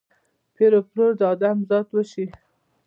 پېر پلور د ادم ذات وشي